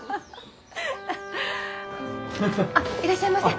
あっいらっしゃいませ。